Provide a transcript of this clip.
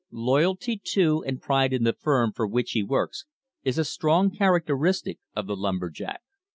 Loyalty to and pride in the firm for which he works is a strong characteristic of the lumber jack.